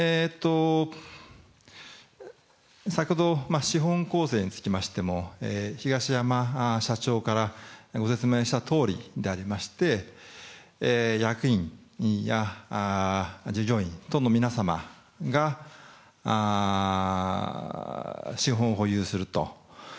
先ほど資本構成につきましても東山社長からご説明したとおりでありまして、役員や従業員等の皆様が資本を保有すると。